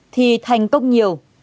thì thành công nhiều